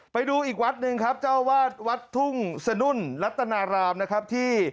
ไปดูอีกวัดหนึ่งครับเจ้าวาดวัดทุ่งสนุ่นรัตนารามนะครับที่